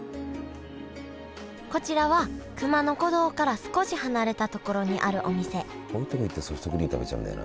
こちらは熊野古道から少し離れたところにあるお店こういうとこに行くとソフトクリーム食べちゃうんだよな。